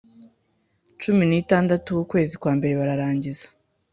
Cumi n itandatu w ukwezi kwa mbere bararangiza